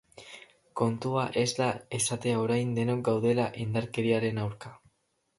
Kontua ez da esatea orain denok gaudela indarkeriaren aurka.